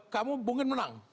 kamu mungkin menang